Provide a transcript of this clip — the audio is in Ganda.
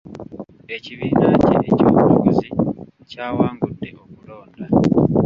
Ekibiina kye eky'obufuzi kyawangudde okulonda.